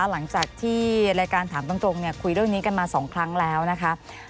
หลังจากที่รายการถามตรงคุยเรื่องนี้กันมา๒ครั้งแล้วนะคะ